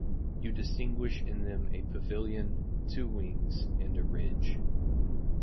You distinguish in them a pavilion, two wings, and a ridge.